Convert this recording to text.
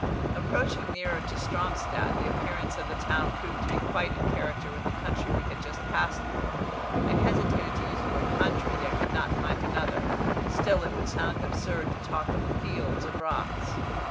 Approaching nearer to Stromstad, the appearance of the town proved to be quite in character with the country we had just passed through. I hesitated to use the word country, yet could not find another; still it would sound absurd to talk of fields of rocks.